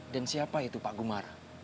dan siapa itu pak gumar